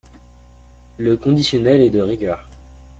Le conditionnel est de rigueur.